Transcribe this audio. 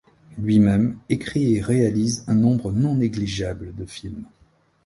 Lui-même écrit et réalise un nombre non négligeable de films.